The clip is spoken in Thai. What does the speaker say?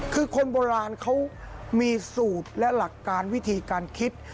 คือคนโบราณเขามีสูตรและหลักการวิธีการคิด